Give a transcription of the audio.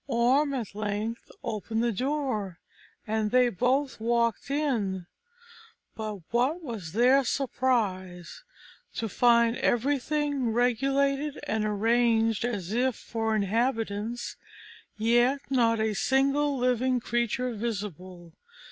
Orm at length opened the door, and they both walked in: but what was their surprise, to find everything regulated and arranged as if for inhabitants, yet not a single living creature visible.